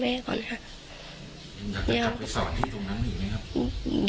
อยากจะกลับไปสอนที่ตรงนั้นหรือไหมครับ